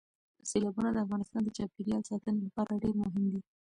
سیلابونه د افغانستان د چاپیریال ساتنې لپاره ډېر مهم دي.